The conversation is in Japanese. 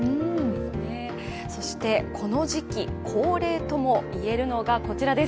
そして、この時期、恒例とも言えるのがこちらです。